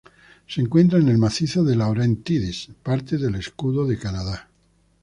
Se encuentra en el macizo de Laurentides, parte del Escudo de Canadá.